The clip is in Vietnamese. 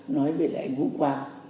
nói về lại anh vũ quang